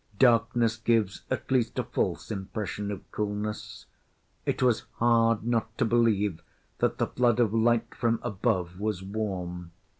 Darkness gives at least a false impression of coolness. It was hard not to believe that the flood of light from above was warm.